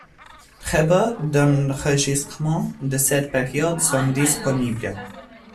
Très peu d'enregistrements de cette période sont disponibles.